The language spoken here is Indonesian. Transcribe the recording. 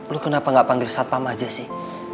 lu kenapa nggak panggil satpam aja sih